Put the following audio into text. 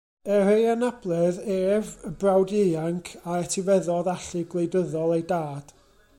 Er ei anabledd, ef, y brawd ieuanc, a etifeddodd allu gwleidyddol ei dad.